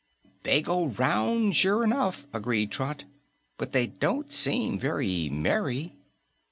"They go 'round, sure enough," agreed Trot, "but they don't seem very merry."